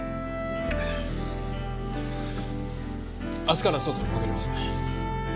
明日から捜査に戻ります。